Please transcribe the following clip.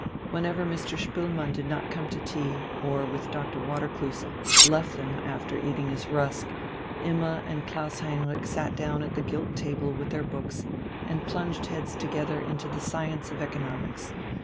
Whenever Mr. Spoelmann did not come to tea, or, with Dr. Watercloose, left them, after eating his rusk, Imma and Klaus Heinrich sat down at the gilt table with their books, and plunged heads together into the Science of Economics.